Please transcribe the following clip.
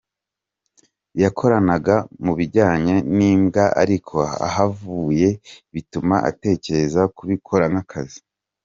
Yakoraga mu bijyanye n’imbwa ariko ahavuye bituma atekereza kubikora nk’akazi.